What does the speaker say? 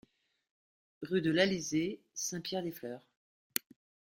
Rue de l'Alizé, Saint-Pierre-des-Fleurs